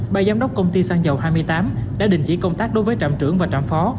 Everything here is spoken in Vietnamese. ba giám đốc công ty xăng dầu hai mươi tám đã đình chỉ công tác đối với trạm trưởng và trạm phó